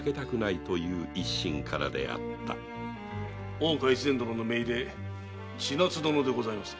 大岡越前殿の姪で千奈津殿でございます。